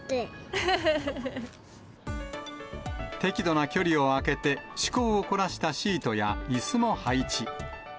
適度な距離を空けて、趣向を凝らしたシートやいすも配置。